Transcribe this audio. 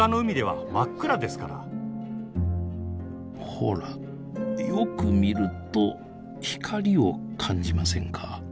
ほらよく見ると光を感じませんか？